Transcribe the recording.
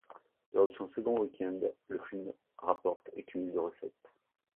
Lors de son second weekend, le film rapporte et cumule de recettes.